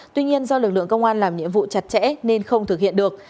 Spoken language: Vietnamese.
tuy nhiên do lực lượng công an làm nhiệm vụ chặt chẽ nên không thực hiện được